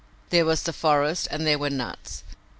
There was the forest and there were nuts.